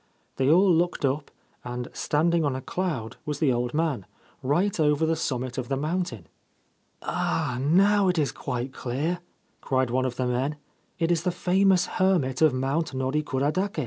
' They all looked up ; and standing on a cloud was the old man, right over the summit of the mountain. ' Ah, now it is quite clear !' cried one of the men. c It is the famous hermit of Mount Norikuradake.'